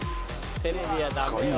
テレビはダメよ。